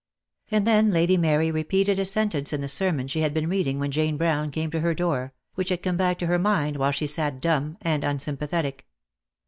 And then Lady Mary repeated a sentence in the sermon she had been reading when Jane Brown came to her door, which had come back to her mind while she sat dumb and unsympathetic.